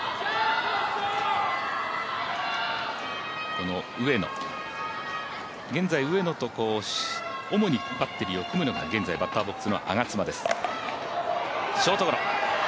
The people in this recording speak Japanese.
この上野、現在、上野と主にバッテリーを組むのが現在バッターボックスの我妻です。